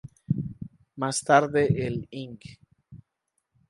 Más tarde el Ing.